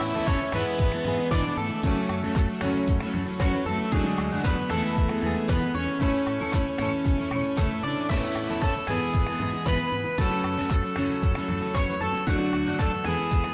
สวัสดีครับ